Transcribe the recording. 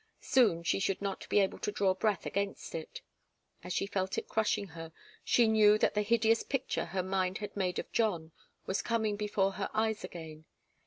Soon she should not be able to draw breath against it. As she felt it crushing her, she knew that the hideous picture her mind had made of John was coming before her eyes again.